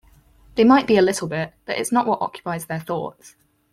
They might be a little bit, but it's not what occupies their thoughts.